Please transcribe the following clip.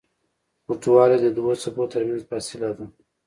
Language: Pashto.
اوږدوالی د دوو څپو تر منځ فاصله ده.